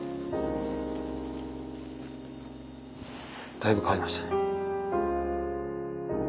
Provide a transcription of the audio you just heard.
だいぶ変わりましたね。